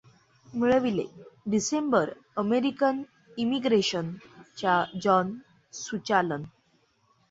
मिळविले December American immigration च्या John सुचालन.